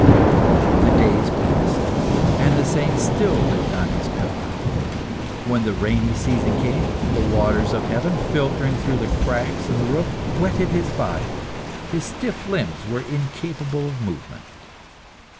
The days passed, and the saint still lived on his pillar. When the rainy season came, the waters of heaven, filtering through the cracks in the roof, wetted his body; his stiff limbs were incapable of movement.